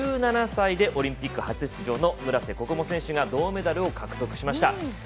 １７歳でオリンピック初出場の村瀬心椛選手が銅メダルを獲得しました。